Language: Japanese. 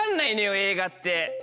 映画って。